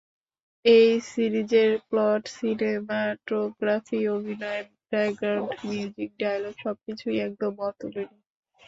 এই সিরিজের plot, cinematography, অভিনয়, ব্যাকগ্রাউন্ড নিউজিক, ডায়লগ সবকিছুই একদম অতুলনীয়।